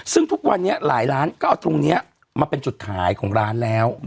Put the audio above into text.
ซึ่งทุกวันนี้หลายร้านก็เอาตรงนี้มาเป็นจุดขายของร้านแล้ว